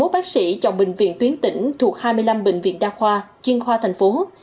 một trăm bốn mươi một bác sĩ chọn bệnh viện tuyến tỉnh thuộc hai mươi năm bệnh viện đa khoa chuyên khoa thành phố